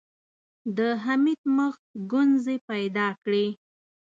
د حميد مخ ګونځې پيدا کړې.